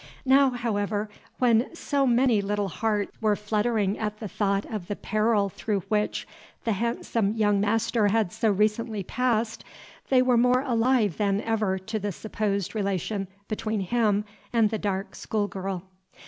Now, however, when so many little hearts were fluttering at the thought of the peril through which the handsome young master had so recently passed, they were more alive than ever to the supposed relation between him and the dark school girl.